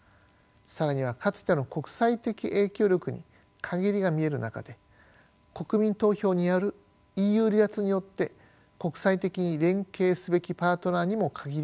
更にはかつての国際的影響力に陰りが見える中で国民投票によるＥＵ離脱によって国際的に連携すべきパートナーにも限りがあります。